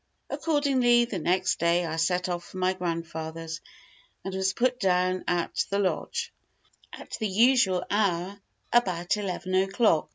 Accordingly, the next day I set off for my grandfather's, and was put down at the lodge, at the usual hour, about eleven o'clock.